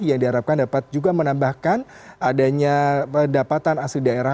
yang diharapkan dapat juga menambahkan adanya pendapatan asli daerah